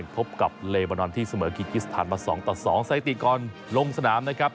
พบกับเลเมินอนที่เสมอกิกกิสถานมา๒๒สายดีก่อนลงสนามนะครับ